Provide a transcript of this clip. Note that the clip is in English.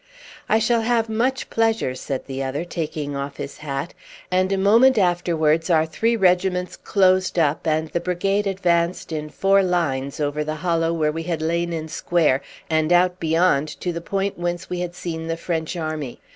"I shall have much pleasure," said the other, taking off his hat; and a moment afterwards our three regiments closed up, and the brigade advanced in four lines over the hollow where we had lain in square, and out beyond to the point whence we had seen the French army.